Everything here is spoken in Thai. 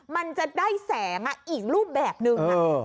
มันจะได้แสงอีกรูปแบบนึง